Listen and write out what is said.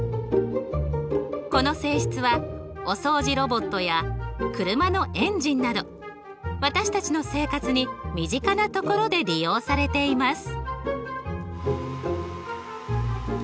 この性質はお掃除ロボットや車のエンジンなど私たちの生活に身近なところで利用されています。